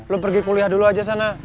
lo pergi kuliah dulu aja sana